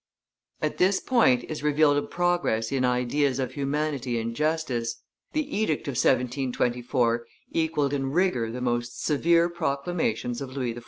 At this point is revealed a progress in ideas of humanity and justice: the edict of 1724 equalled in rigor the most severe proclamations of Louis XIV.